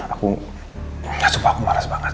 aku nggak sumpah aku maras banget